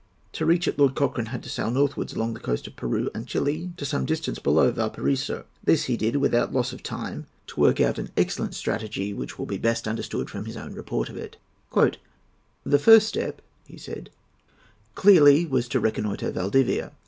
To reach it Lord Cochrane had to sail northwards along the coast of Peru and Chili to some distance below Valparaiso. This he did without loss of time, to work out an excellent strategy which will be best understood from his own report of it. "The first step," he said, "clearly was to reconnoitre Valdivia.